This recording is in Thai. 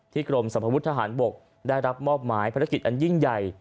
ที่กรมสัมภัพธ์วุทธหารบกได้รับมอบหมายผลักษณ์อันยิ่งใหญ่